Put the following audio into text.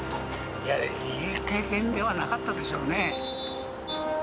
いい経験ではなかったでしょうね。